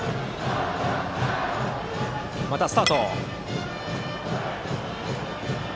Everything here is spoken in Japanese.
またスタート！